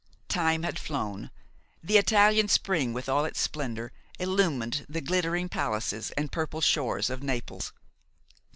Time had flown. The Italian spring, with all its splendour, illumined the glittering palaces and purple shores of Naples.